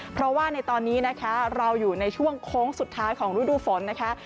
เพราะว่าในตอนนี้นะคะเราอยู่ในช่วงโค้งสุดท้ายของฤดูฝนนะคะ